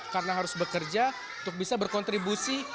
karena harus bekerja untuk bisa berkontribusi